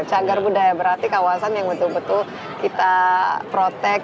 cagar budaya berarti kawasan yang betul betul kita protect